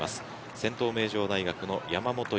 先頭、名城大学の山本。